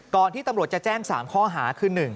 ที่ตำรวจจะแจ้ง๓ข้อหาคือ